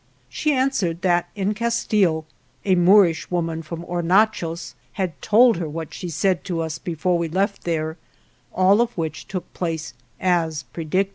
She answered that in Castile a Moorish woman from Hornachos had told her what she said to us before we left there, all of which took place as predicted.